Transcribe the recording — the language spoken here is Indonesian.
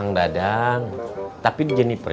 nanti kita ke sana